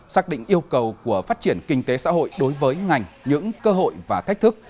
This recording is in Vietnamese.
xác định yêu cầu của phát triển kinh tế xã hội đối với ngành những cơ hội và thách thức